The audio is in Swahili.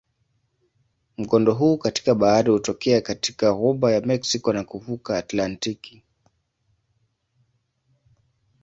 Mkondo huu katika bahari hutokea katika ghuba ya Meksiko na kuvuka Atlantiki.